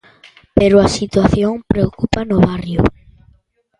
Pero a situación preocupa no barrio.